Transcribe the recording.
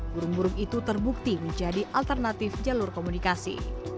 burung burung itu terbukti menjadi alternatif jalur komunikasi